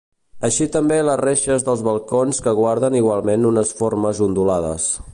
Així també les reixes dels balcons que guarden igualment unes formes ondulades.